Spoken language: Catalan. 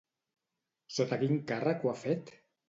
Sota quin càrrec ho ha fet?